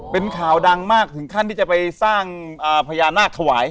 เป็นข่าวดังมากถึงขั้นที่จะไปสร้างพญานาคถวาย